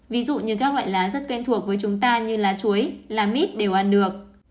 ví dụ như các loại lá rất quen thuộc với chúng ta như lá chuối lá mít đều ăn được